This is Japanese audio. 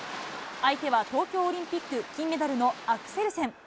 相手は東京オリンピック金メダルのアクセルセン。